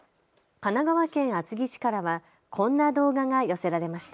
神奈川県厚木市からはこんな動画が寄せられました。